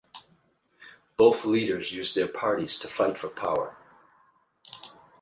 Both leaders used their parties to fight for power.